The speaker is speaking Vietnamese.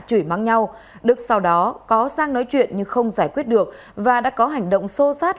chửi mắng nhau đức sau đó có sang nói chuyện nhưng không giải quyết được và đã có hành động sô sát